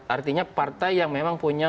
artinya partai yang memang punya